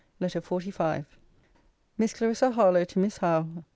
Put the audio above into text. LETTER XLV MISS CLARISSA HARLOWE, TO MISS HOWE.